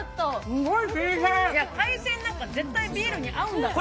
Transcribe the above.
海鮮なんか絶対ビールに合うんだから。